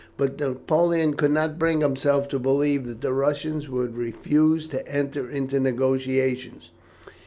But Napoleon could not bring himself to believe that the Russians would refuse to enter into negotiations.